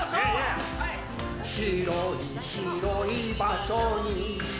広い広い場所に